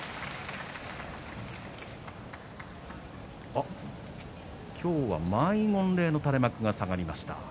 あ今日は満員御礼の垂れ幕が下がりました。